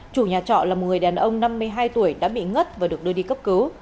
chủ nhà trọ là một người đàn ông năm mươi hai tuổi đã bị ngất và được đưa đi cấp cứu